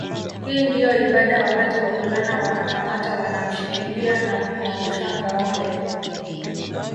Hii ndio ibada wakati wavulana wanakamata wanamshikilia na kumwangusha ngâombe